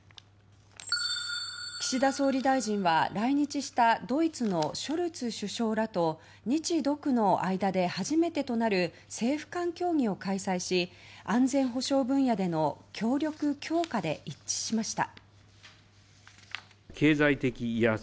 岸田総理大臣は来日したドイツのショルツ首相らと日独の間で初めてとなる政府間協議を開催し安全保障分野での協力強化で一致しました。